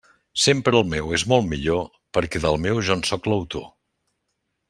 Sempre el meu és molt millor, perquè del meu jo en sóc l'autor.